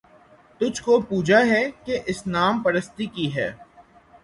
تجھ کو پوجا ہے کہ اصنام پرستی کی ہے